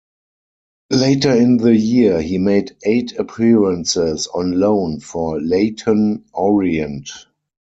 Later in the year, he made eight appearances on loan for Leyton Orient.